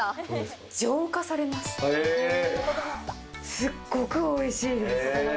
すっごくおいしいです！